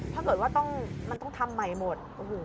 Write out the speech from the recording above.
ถ้าเกิดว่ามันต้องทำใหม่หมด